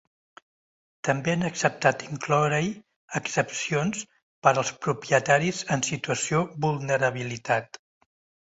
També han acceptat d’incloure-hi excepcions per als propietaris en situació vulnerabilitat.